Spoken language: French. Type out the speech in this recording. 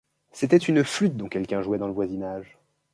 C’était une flûte dont quelqu’un jouait dans le voisinage.